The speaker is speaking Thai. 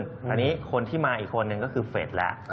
อันนี้คนที่มาอีกคนนึงก็คือเฟสแล้ว